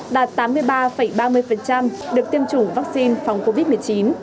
đạt tám mươi ba ba mươi được tiêm chủng vắc xin phòng covid một mươi chín